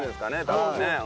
多分ね。